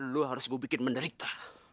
lu harus gue bikin menderita